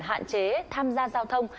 hạn chế tham gia giao thông